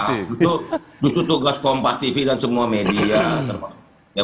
itu tugas kompas tv dan semua media